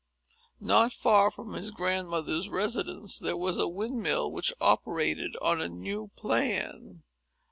Not far from his grandmother's residence there was a windmill, which operated on a new plan.